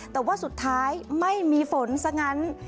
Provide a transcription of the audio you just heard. แต่ว่าสุดท้ายไม่มีฝนซะงั้น